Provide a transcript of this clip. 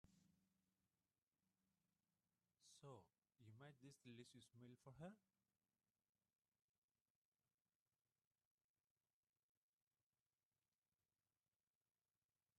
So, you made this delicious meal for her?